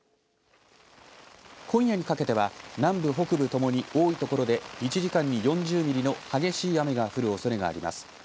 今夜にかけては南部北部ともに多いところで１時間に４０ミリの激しい雨が降るおそれがあります。